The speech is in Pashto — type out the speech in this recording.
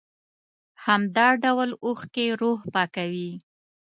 همدا ډول اوښکې روح پاکوي.